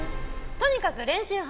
とにかく練習派。